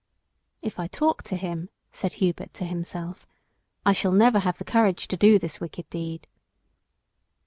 "If I talk to him," said Hubert to himself, "I shall never have the courage to do this wicked deed."